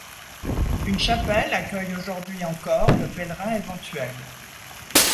Une chapelle accueille, aujourd'hui encore, le pèlerin éventuel.